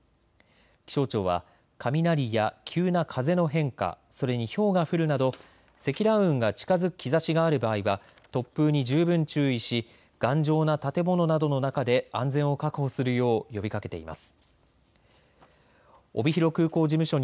気象庁は雷や急な風の変化、それにひょうが降るなど積乱雲が近づく兆しがある場合は突風に十分注意し頑丈な建物などの中で安全を確保するよう呼びかけています。